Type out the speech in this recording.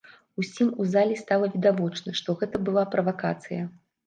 Усім у залі стала відавочна, што гэта была правакацыя.